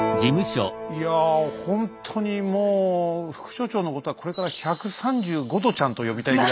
いやほんとにもう副所長のことはこれから「１３５度ちゃん」と呼びたいぐらい。